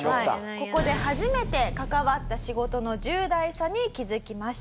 ここで初めて関わった仕事の重大さに気づきました。